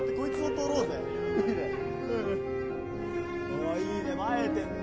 おおいいね映えてんね。